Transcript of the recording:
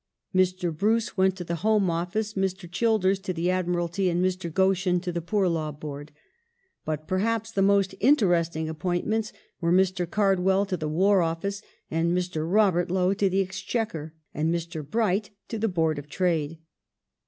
Mr. Bruce went to the Home Office, Mr. Childers to the Admiralty, and Mr. Goschen to the Poor Law Board ; but perhaps the most interesting appointments were Mr. Cardwell to the War Office, Mr. Robert Lowe to the Exchequer, and Mr. Bright to the Board of Trade.